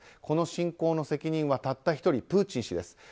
この侵攻の責任はたった１人プーチン氏です。